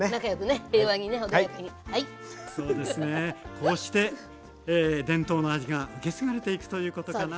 こうして伝統の味が受け継がれていくということかな。